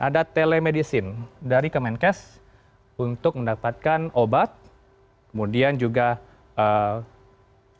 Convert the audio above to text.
ada telemedicine dari kemenkes untuk mendapatkan obat kemudian juga